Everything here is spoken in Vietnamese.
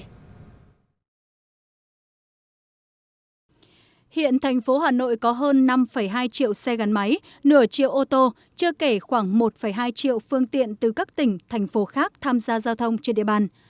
hiện thành phố hà nội có hơn năm hai triệu xe gắn máy nửa triệu ô tô chưa kể khoảng một hai triệu phương tiện từ các tỉnh thành phố khác tham gia giao thông trên địa bàn